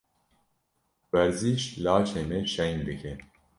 Werzîş, laşê me şeng dike.